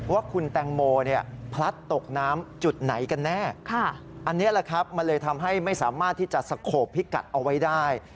ว่าคุณแตงโมเนี่ยพลัดตกน้ำจุดไหนกันแน่อันนี้แหละครับมันเลยทำให้ไม่สามารถที่จะสโขบพิกัดเอาไว้ได้